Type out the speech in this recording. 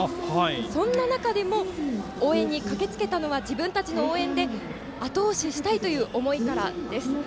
そんな中でも応援に駆けつけたのは自分たちの応援であと押ししたいという思いからです。